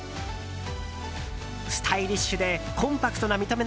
スタイリッシュでコンパクトな見た目